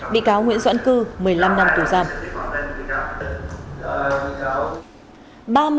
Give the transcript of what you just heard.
bị cáo nguyễn doãn cư một mươi năm năm tù giam